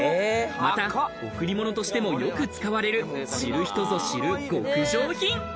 また贈り物としても、よく使われる、知る人ぞ知る極上品。